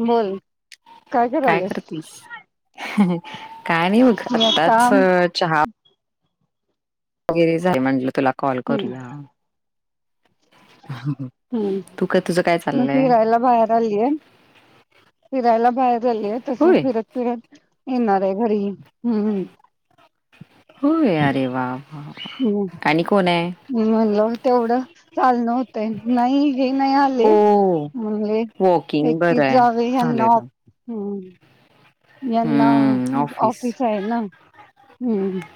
बोल काय करतेस. काय नाही बघ मी आता आत्ताच चहा. वगैरे झाल म्हणलं तुला. कॉल करूया हम् तू का तुझं काय मग चाललंय? फिरायला बाहेर आलीय, फिरायला बाहेर आलीय, तस होय फिरत, फिरत. येणारआय घरी. हम्म, हम्. होय अरे वा. आणि कोण हाय. म्हणल तेवढं चालन होतंय नाही हे नाही हो आले, म्हणले वॉकिंग बरं एकटीच आहे जावे यांना चालेल. हम्. [inaudible] यांना ऑफिस आहे ना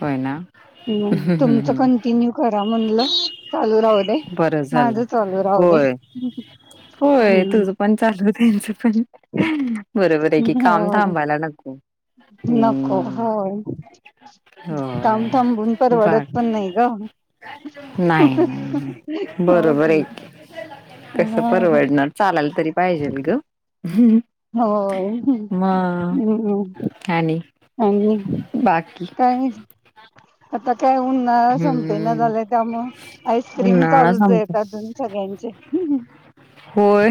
होय ना तुमच कंटिन्यू करा. म्हनलं चाल. बर झालं होय होय हम्म तुझ पण चालू त्यांच पण बरोबर आहे की काम होय थांबायला लागत नको. होय थाांम होय. थाांबून प बा वाडत पण नाही ग. नाही नाही होय बरोबर की एक कस हा परवडणार चालाल तरी पाहिजेल ग. होय मग हम् आणि आणि बाकी काही आता काय उन्हाळा संपे ना हम्म झालं. त्या मग आच क्रीम उन्हाळा चालूच आहे संपतो अजून सगळ्यांचे. होय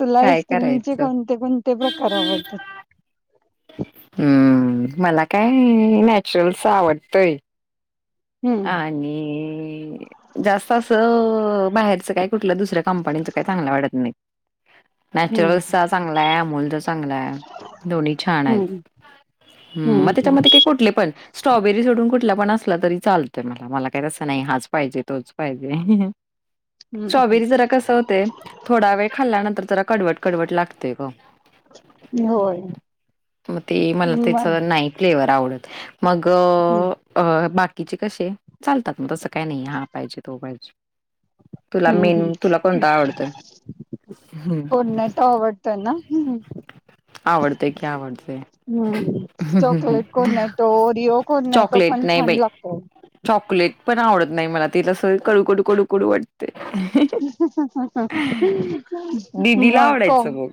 तुला काय आईस्क्रीमचे करायचं कोणते कोणते प्रकार आवडतात? हम्म मला काय नॅचरलस आवडतंय. हम्म आणि ह. जास्त असं बाहेरचं काय कुठल्या दुसऱ्या कंपनीचं काही चांगलं वाटत नाही. हम्म नॅचरल् चांगला अमोल ज चांगला आहे. दोन्ही छान आहेत. हम्म ह मग हम्म त्याच्यामध्ये काही कुठले पण. स्ट्रॉबेरी सोडून कुठला पण असला तरी चाल. मला मला काही तसं नाही हाच पाहिजे तोच पाहिजे. हम्म स्ट्रॉबेरी जरा कस होते थोडा वेळ खाल्ल्यानंतर जरा कडवट कडवट लागतेय ग होय मग ते मला त्याच मग नाही फ्लेवर आवडत. मग हम्म अ बा कसे चालतात मग तसं काय नाही हा पाहिजे तो पाहिजे. तुला हम् मेन तुला कोणता आवडतोय? हं कोर्नट आवडतो ना्? आवडतंय की आवडतंय. हं, हं, हं. Chocolate Cornetto Oreo Cornetto chocolate पण नाही छान बाई. लागतो. चॉकलेट पण आवडत नाही मला ते तस. कळू कडू कडू कडवट. दिदीला म ह. आवडायचं मग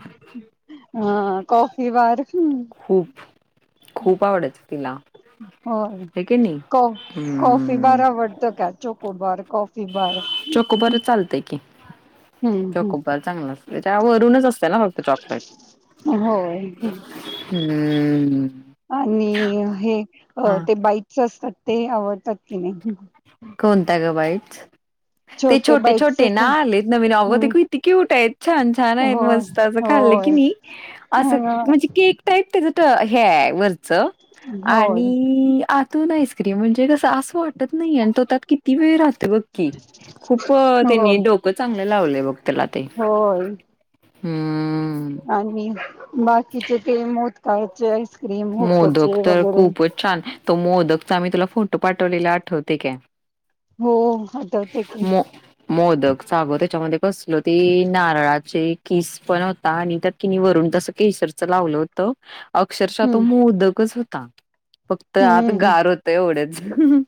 को ही बार खूप हम्म खूप आवडायचं तिला. होय हाय की नाही? कोॉफी हम्म. बारबरत क चोख बरॉफी चक बर चालतय की हम्म हम्म चोकोबार चांगला त्या वरूनच असत होय हम्म आणि हे हा ते बाईकच असतात ते आवडतात की नाही कोणत ग बाईच ते छोटे बाईट्स छोटे ना असतात आलेत नवीन अगं ते हम्म कती क्यूट आहेत छान छान आहेत हो मस्त अस खाल्लं की होय नाही असं म्हणजे केक टाईप त्याज हे वर - च होय आणि आ- तुण आईक्रीम म्हणजे कस- सासवट- नाही आण तो त्यात किती वेळ राहत बग की खूप हो त्यांनी डोकं चांगलं लावलंय बघ त्याला ते- होय हम्म. आणि बास- तीच ते मो- कायचय- मोदक तर खूपच छान तो मोदक- आम्ही तुला फोटो पाठवलेला आठवते काय- हो आठवते की- मोदक साब त्याच्यामध्ये बसलो ते नारळाचे- किस पण होता आणि त्या कि वरून तस केसरचं लावलं होत. तो हम्म मो-दकच हो ता. फक्त आत गार होतय एवढेच- हम् ह.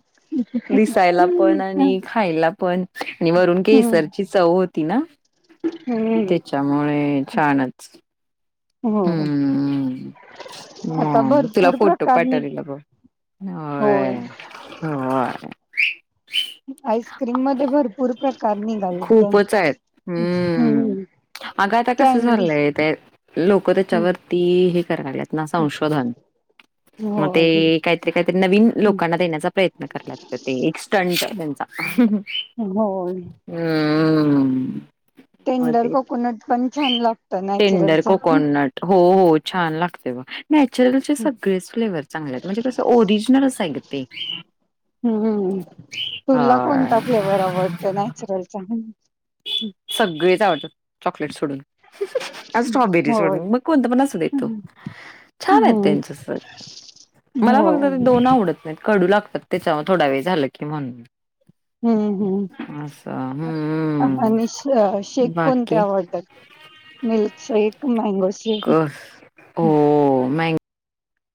दिसायला पण हम्म आणि खायला पण आणि वरून हम्म केसरची चव होती ना. हम्म त्याच्यामुळे छानच. हो हम् आता म तुला भरपूर फोटो प्रकार नि पाठवलेला बघ होय होय. आईसक्रीम मध्ये भरपूर प्रकार निघालेत ग खूपच आहेत हम्म हम् कॅन्डी- लोकर त्याच्यावरती हे करणारेत ना संशोध मग होय ते काहीतरी काहीतरी नवीन लोकांना देण्याचा प्रयत्न करतात ते एक स्टंट त्यांचा हम्म होय हम् टेंडर कोकोनट पण छान लागत नॅचरलचा- कोकनट हो हो. छान लागते बा- नॅचरलचे सगळेच फ्लेवर चांगलेत म्हणजे कसं ओरिजिनल असय ग ते हम्म तुला हा. कोणता फ्लेवर आवडतो नॅचरलचा [inaudible] सगळें [inaudible] चॉकलेट सोडून- आणि स्ट्रॉबेरी होय सोडून मग कोणत पण असू दे तो हम्म छान आहेत त्यांचे [unintelligible] मला हो फक्त ते दोन आवडत नाहीत कडू लागतात [inaudible] थोडा वेळ झालं की म्हणून हम्म हम्म अच्छा हम्म् आणि श शेक कोणते आवडतात मिल्कशेक [inaudible]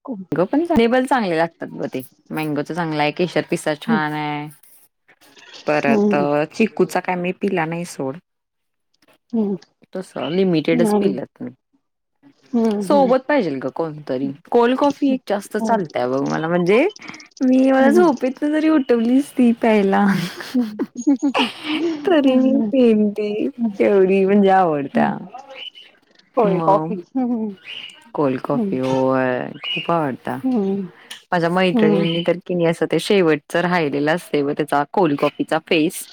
[inaudible] [unintelligible] [unintelligible] मँगोचा चांगला आहे केशर पिस्ता छान आहे परत कोल्ड चिककूचा का मी पीला नाही सोड [inaudible] सोबत पाहिजे का कोणतरी कोल्ड कॉफी मी एक जास्त चालतय बघ मला म्हणजे मी झोपेतन जरी उठवली [unintelligible] ती पाहिला तरी मी पिईन ते एवढी म्हणजे आवडते-मग कॉफी कोल्ड कॉफी होय खूप आवडत-माझ्या मैत्रणींनी तर की नी त्याचं ते शेवटच राहिलेल [unintelligible] शेवटचा कोल्ड कॉफीचा फेस-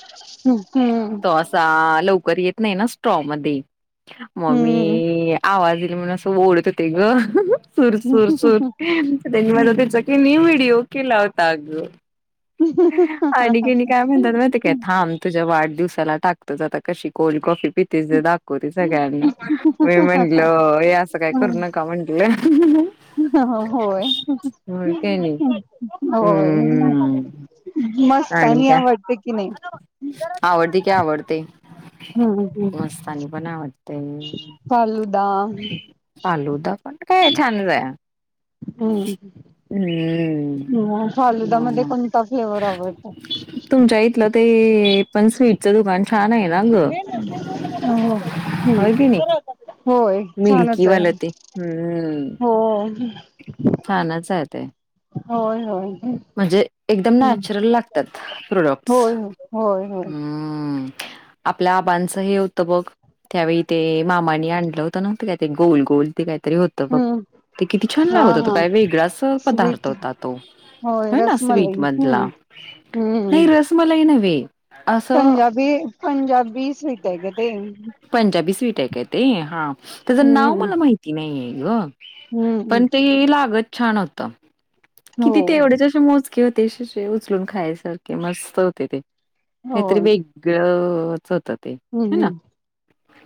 तो असा लवकर येत नाही ना स्ट्रॉ मध्ये मम्मी आवाज ते येऊन असं बोलत होते ग स [unintelligible] त्यांनी माझा तेचा कणी व्हिडिओ केला हो ता ग. आणि कीनी काय म्हणतात माहितीये काय थांब तुझ्या वाढदिव वसाला टाकतोच आता कशी कोल्ड कॉफी पिते ज दाखवतेचं. सगळ्यांना मी म्हंटल हे असं काय करू नका म्हंटलं. होय हो काय नाही होय. हम्म मस्त आणि का आवडते की नाही [inaudible] आवडते हम्म हम्म मस्तानी पण आवडते. दा फालुदा. म काय छानचं हाय. हम्. अ [inaudible] फ्लेवर आवडतो? तुमच्या इथलं ते हे पण स्वीटचं दुकान छान आहे. ना ग ह. होय की नाही. होय छानच आहे. मिल्कीवालं ते हम्म हो. छानच आहे ते होय, होय. हम्म म्हणजे एकदम नॅचरल लागतात प्रोडक्ट्स. होय हो होय होय हम्मम. आपल्या आबांचं हे होतं बघ त्यावेळी ते मामानी आणलं होत ना ते काय ते गोल-गोल ते काय तरी होत बघ हम्म ते किती छान हा लागत होत हा काय वेगळाच पदार्थ स्वीट होता तो. होय ना रसमलाई स्वीट हम्, मधला नाही हम्म रसमलाई नव्हे. असं पंजाबी, पंजाबी स्वीट आहे ग ते. त्या काय ते हा. त्याचं नाव मला माहिती नाहीये. ह्यो हम्म पण ते लागत छान हो तम हो किती ते एवढेचेच. मोजके होते [unintelligible] उचलून खायासारखे मस्त होते ते. काहीतरी होय वेगळं होतं होत. हम्म, हम्म,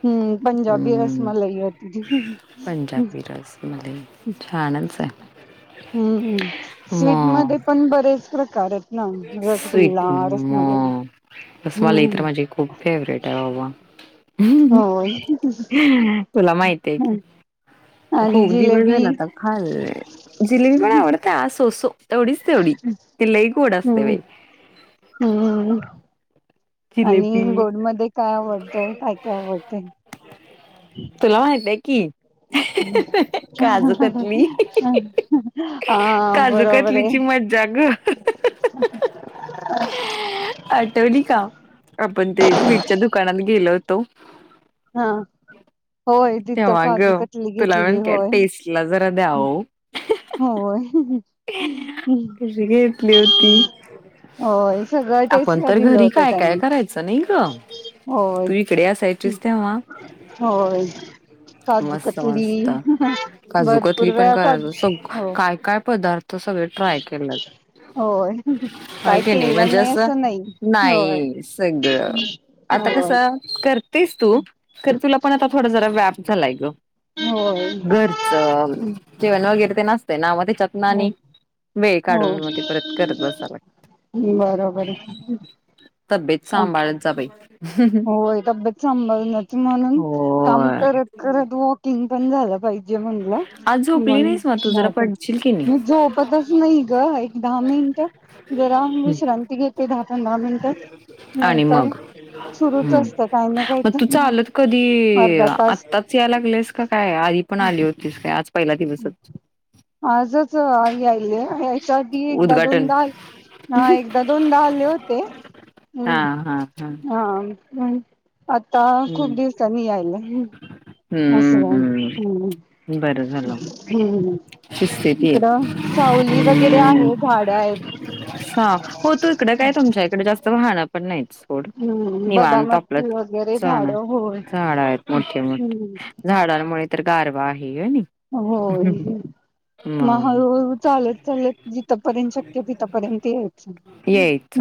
हम्म पंजाबी हम्म रसमलई होती ती. हम्म, पंजाबी रसमलाई. हम्म छानच आहे [inaudible] हम्म ह स्वीट मग मदे ते पण बरेच प्रकार आहेत ना रसगुल्ला रसमलाई हम्म [inaudible] होय तुला माहिती आहे, कि आणि खूप दिवस जिलेबी झाला आता खाल जिलेबी पण आवडते सोसो तेवढींच तेवढीं हम्म हम्म. आणि जिलेबी गोड मध्ये काय आवडतय काय काय आवडतय? तुला माहित आहे की काजूकतली हा बरोबर आहे काजूकतलीची मज्जा गं आठवली का? पण ते वीटच्या दुकानात गेलो तो, हा होय तिथ तेव्हा ग काजू कतली तुला घेतली पण काय होय टेस्टला जरा द्याव होय, कशी घेतली होती, होय सगळं आपण टेस्टला तर दिलं घरी होतं काय काय त्यांनी करायचं नाही गं होय तू इकडे असायचीस तेव्हा होय काजू मस्त कतली मस्त काजू कतली भरपूर पण वेळा करायच सगळं काजू हो काय काय पदार्थ, सगळं ट्राय केलं होय ह काय की नाही केलं म्हणजे असं नाही होय नाही सगळं आता कस होय करत तेच तू तर तुला पण आता थोडा जरा व्याप चलाय गं होय घरचं जेवण वगैरे तेन‌ असत [unintelligible] हम्म हो ते परत करत बसावं बरोबर आहे,. लागतं तब्येत सांभाळत जा बाय होय तब्येत सांभाळुनच म्हणून काम होय करत करत वॉकिंग पण झालं पाहिजे म्हणुन आज झोपली नाहीस मग तू जरा पडशील की नाही झोपतच नाही गं एक दहा मिनिट जरा विश्रांती घेते दहा पंधरा मिनिट आणि नाहीतर मग सुरूच हम्म असतं काही ना काही मगं तू तर चालत कधी अर्धा तास आत्ताच याय लागलेस का काय आधी पण आली होतीस काय आज पहिला दिवसच आजच याच्या आधी एकदा उद्घाटन दोनदा हा, एकदा दोनदा आले होते हम्म हा हा हा.. हम्म. आता हम्म खूप दिवसांनी यायला अस हम् शि इकडं सावली वगैरे आहे झाडं आहेत. हो तू इकड काय तुमच्या इकडे जास्त वाहणं पण नाहीत हम्म बदमचछ ण झाड आहेत मोठे मोठ हम्म झाडांमुळे तर कारारवाार होय. ह मग हळूहळू चालत चालत जिथपर्यंत शक्य तिथपर्यंत यायचं. यायच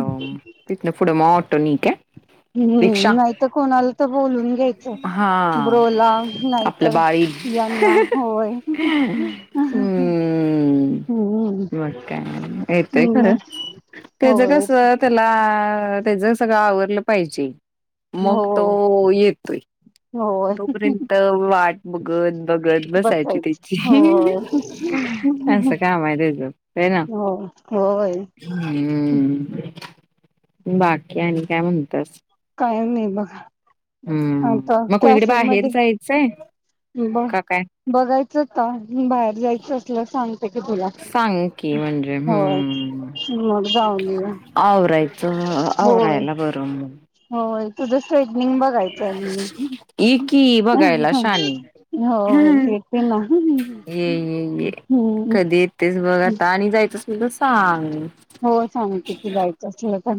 तिथन पुढं मोठ नक आहे हम्म आय हा ब्रोला आपलं नाहीतर बाळी यांना होय. हम्म हम् येतय हम्म खरं त्याच होय कस त्याला त्याच सगळं आवरलं पाहिजे मग हो तो येतोय तोपर्यंत वाट बघत बघत बसायची बसायच त्याची होय. असं काम आहे त्याच हो ना हो होय हम् बाकी आणि काय म्हणतस काय नाही बघ हम्म मग कोुणीकडे बाहेर जायचंय ब का काय? बघायचं आ बाहेर जायचं असल सांगते की तुला सांग की म्हणजे होय हम्म मग जाऊन आवरायचं होय आवरायला बरं मग हो ज ट्रेटनिंग बघायचं आहे ये की म बघायला शानी. हो येते ना हम् ये ये ये तुला सांग की जायचं असलं तर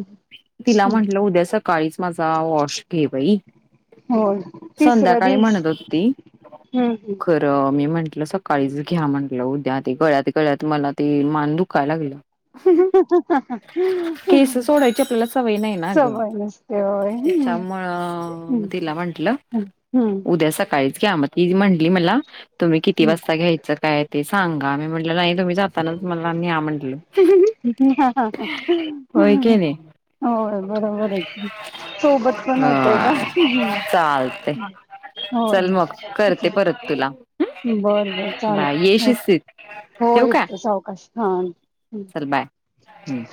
तिला म्हंटलं उद्या स काळीच माझा वॉश के बाई होय तिसऱ्या संध्याकाळी म्हणत दिवशी हो ती हम्म खरं मी म्हण म्हलं सकाळीच घ्या म्हटलं उद्या ते गळ्यात गळ्यात मला ते मान दुखाय लागलं केस सोडायची आपल्याला सवय नाही ना ग सय नसते होय तिला म्हटलं हम्म हम्म उद्या सकाळीच कमती म्हंटली मला तुम्ही किती वाजता घ्यायचं काय ते सांगा मी म्ह नाही तुम्ही जाताना मला न्या म्हटलं की नाही होय बरोबर आहेम सोबत पण होतय का अ चालतय. होय. चल मग करते परत तुला बर बर चालत बाय ये के शिस्तीत हो ठेवू य का सावकाश हा. हम्म.